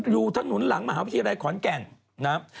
อยู่ถนนหลังมหาวิทยาลัยขอนแก่นนะครับ